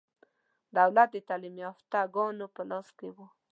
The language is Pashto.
دولت د تعلیم یافته ګانو په لاس کې و.